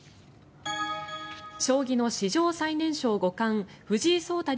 将棋の史上最年少五冠藤井聡太